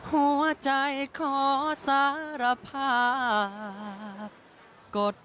พอของทุพอนใจขอบคุณมาเป็นแค่แห่งในที่ใช้สำคัญ